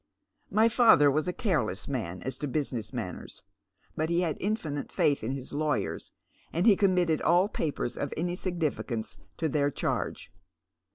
My father was a careless man as to business matters, but he had infinite faith in his lawyers, and he committed all papers of any significance into their c/iarge."